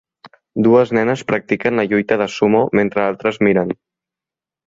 Dues nenes practiquen la lluita de sumo mentre altres miren.